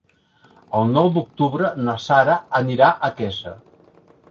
El nou d'octubre na Sara anirà a Quesa.